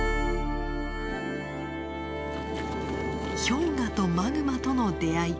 氷河とマグマとの出会い。